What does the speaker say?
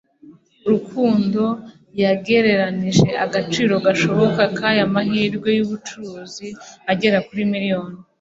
Rukundo yagereranije agaciro gashoboka k'aya mahirwe y'ubucuruzi agera kuri miliyoni